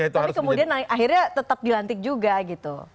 tapi kemudian akhirnya tetap dilantik juga gitu